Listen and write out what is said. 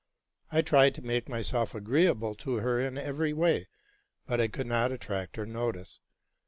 I tried to make myself agreeable to her in every way, but I could not attract her notice.